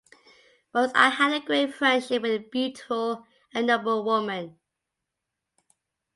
Once I had a great friendship with a beautiful and noble woman.